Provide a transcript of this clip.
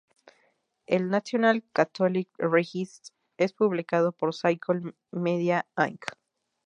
El "National Catholic Register" es publicado por Circle Media, Inc..